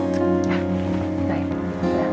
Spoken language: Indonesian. coba siapin aja cetaknya